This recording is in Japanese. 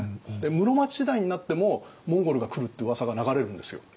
室町時代になってもモンゴルが来るってうわさが流れるんですよ。